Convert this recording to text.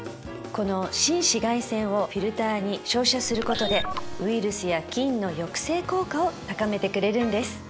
この深紫外線をフィルターに照射することでウイルスや菌の抑制効果を高めてくれるんです